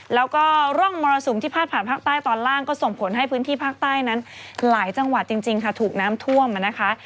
แล้วก็ร่องมรสุมที่พาดผ่านภาคใต้ตอนล่างก็ส่งผลให้พื้นที่ภาคใต้นั้นหลายจังหวัดจริงค่ะถูกน้ำท่วมนะคะ